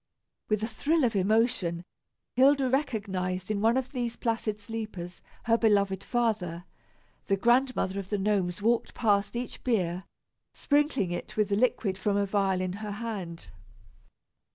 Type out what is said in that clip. With a thrill of emotion, Hilda recognized in one of these placid sleepers her beloved father. The Grandmother of the Gnomes walked past each bier, sprinkling it with the liquid from a vial in her hand.